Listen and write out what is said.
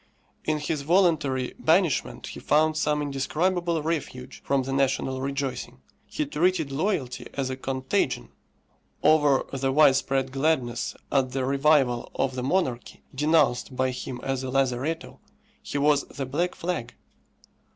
In his voluntary banishment he found some indescribable refuge from the national rejoicing. He treated loyalty as a contagion; over the widespread gladness at the revival of the monarchy, denounced by him as a lazaretto, he was the black flag.